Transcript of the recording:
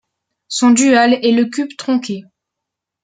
Son dual est le cube tronqué.